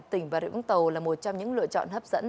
tỉnh bà rịa úng tàu là một trong những lựa chọn hấp dẫn